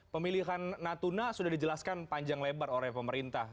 pemilihan natuna sudah dijelaskan panjang lebar oleh pemerintah